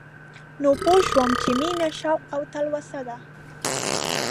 نو پوه شوم چې مينه شوق او تلوسه ده